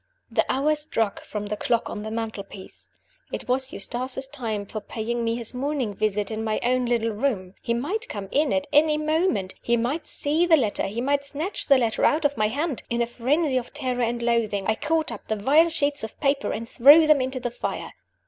The hour struck from the clock on the mantelpiece. It was Eustace's time for paying me his morning visit in my own little room. He might come in at any moment; he might see the letter; he might snatch the letter out of my hand. In a frenzy of terror and loathing, I caught up the vile sheets of paper and threw them into the fire.